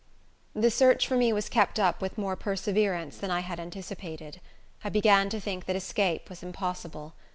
The search for me was kept up with more perseverance than I had anticipated. I began to think that escape was impossible.